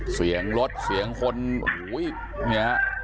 เสียงรถเสียงคนอุ้ยเนี่ย